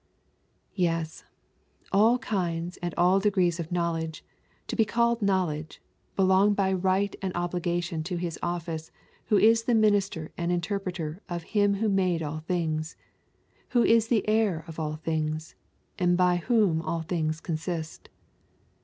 Yes, all kinds and all degrees of knowledge, to be called knowledge, belong by right and obligation to his office who is the minister and interpreter of Him Who made all things, Who is the Heir of all things, and by Whom all things consist.